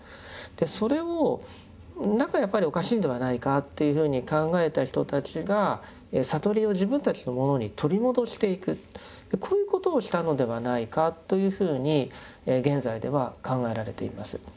それを何かやっぱりおかしいんではないかというふうに考えた人たちがこういうことをしたのではないかというふうに現在では考えられています。